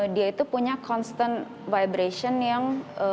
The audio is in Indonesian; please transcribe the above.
dia itu punya constant wibration yang